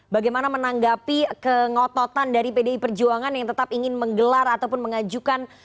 bagaimana menanggapi kengototan dari pdi perjuangan yang tetap ingin menggelar ataupun mengajukan